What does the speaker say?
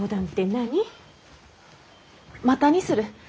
またにする。